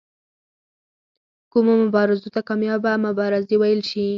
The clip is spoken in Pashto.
کومو مبارزو ته کامیابه مبارزې وویل شي.